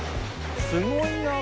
すごいなあ！